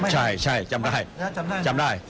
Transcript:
ใช่ใช่จำได้จำได้